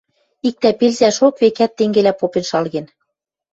Иктӓ пел цӓшок, векӓт, тенгелӓ попен шалген.